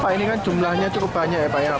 pak ini kan jumlahnya cukup banyak ya pak ya